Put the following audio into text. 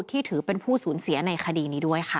ที่ถือเป็นผู้สูญเสียในคดีนี้ด้วยค่ะ